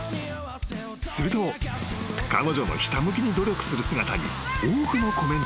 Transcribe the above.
［すると彼女のひた向きに努力する姿に多くのコメントが］